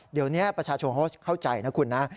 เดี๋ยวนี้ประชาชนเขาเข้าใจนะคุณนะ